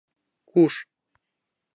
— Куш?